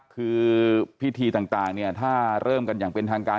คือพิธีต่างเนี่ยถ้าเริ่มกันอย่างเป็นทางการ